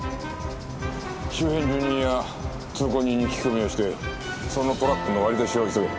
周辺住民や通行人に聞き込みをしてそのトラックの割り出しを急げ。